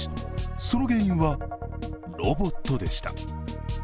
その原因は、ロボットでした。